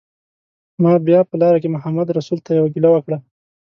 ما بیا په لاره کې محمدرسول ته یوه ګیله وکړه.